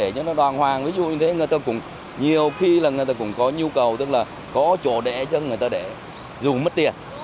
nhiều khi là người ta cũng có nhu cầu tức là có chỗ để cho người ta để dù mất tiền